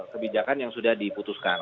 kebijakan yang sudah diputuskan